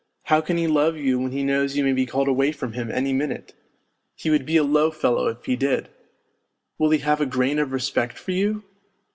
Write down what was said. How can he love you when he knows you may be called away from him any minute ? He would be a low fellow if he did ! Will he have a grain of respect for you